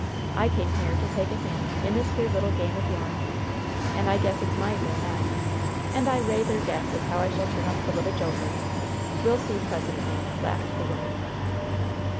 I came here to take a hand in this here little game o' your'n! And I guess it's my deal now! And I rayther guess as how I shall turn up the little joker! We'll see presently!" laughed the woman.